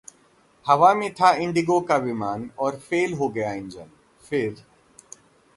हवा में था इंडिगो का विमान और फेल हो गया इंजन, फिर...